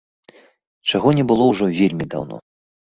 Чаго не было ўжо вельмі даўно.